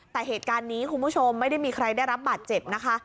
แต่เหตุการณ์นี้คุณผู้ชมไม่ได้มีใครได้รับบาดเจ็บนะคะ